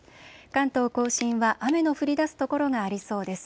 関東甲信は雨の降りだす所がありそうです。